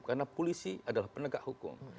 karena polisi adalah penegak hukum